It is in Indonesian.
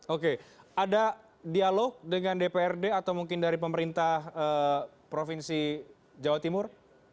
oke ada dialog dengan dprd atau mungkin dari pemerintah provinsi jawa timur